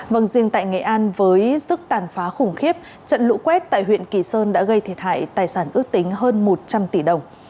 vâng riêng tại nghệ an với sức tàn phá khủng khiếp trận lũ quét tại huyện kỳ sơn đã gây thiệt hại tài sản ước tính hơn một trăm linh tỷ đồng